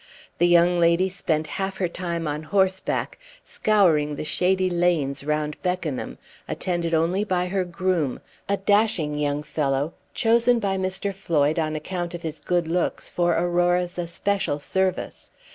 The young lady spent half her time on horseback, scouring the shady lanes round Beckenham, attended only by her groom a dashing young fellow, chosen by Mr. Floyd on account of his good looks for Aurora's especial service.